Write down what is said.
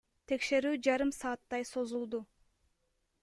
Текшерүү жарым сааттай созулду.